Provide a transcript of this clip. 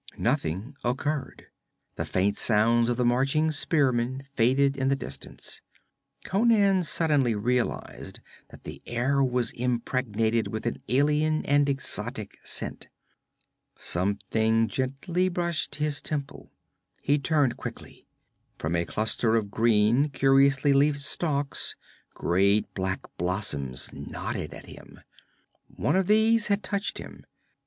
Nothing occurred; the faint sounds of the marching spearmen faded in the distance. Conan suddenly realized that the air was impregnated with an alien and exotic scent. Something gently brushed his temple. He turned quickly. From a cluster of green, curiously leafed stalks, great black blossoms nodded at him. One of these had touched him.